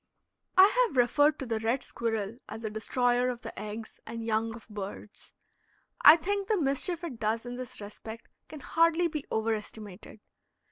I have referred to the red squirrel as a destroyer of the eggs and young of birds. I think the mischief it does in this respect can hardly be over estimated.